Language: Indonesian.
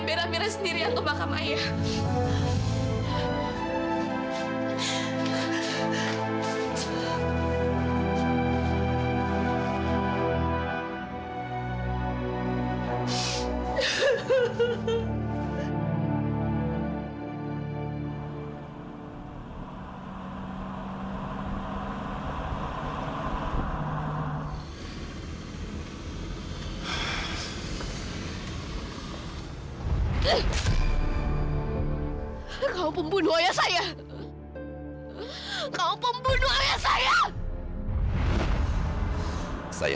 biar amira sendiri yang ke makam saya